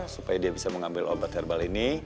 supaya dia bisa mengambil obat herbal ini